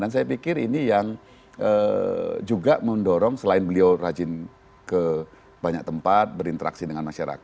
dan saya pikir ini yang juga mendorong selain beliau rajin ke banyak tempat berinteraksi dengan masyarakat